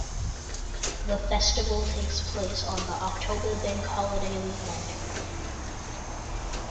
The festival takes place on the October Bank Holiday weekend.